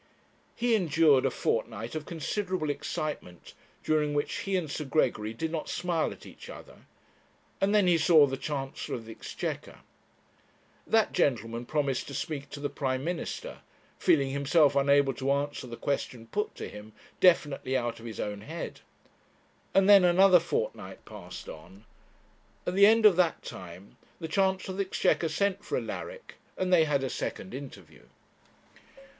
He endured a fortnight of considerable excitement, during which he and Sir Gregory did not smile at each other, and then he saw the Chancellor of the Exchequer. That gentleman promised to speak to the Prime Minister, feeling himself unable to answer the question put to him, definitely out of his own head; and then another fortnight passed on. At the end of that time the Chancellor of the Exchequer sent for Alaric, and they had a second interview.